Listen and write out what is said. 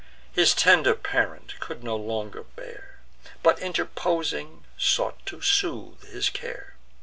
His tender parent could no longer bear; But, interposing, sought to soothe his care.